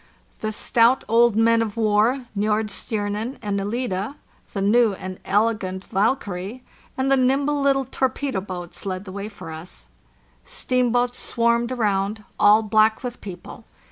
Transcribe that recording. The stout old men of war Wordstjernen and Elida, the new and elegant Valkyrie, and the nimble little torpedo boats led the way for us. Steamboats swarmed around, all black with people.